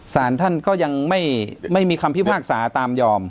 สารท่านก็ยังไม่มีคำพิพากษาตามยอม